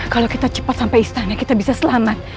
kalau kita cepat sampai istana kita bisa selamat